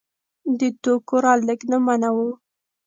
د توکو رالېږد منع و.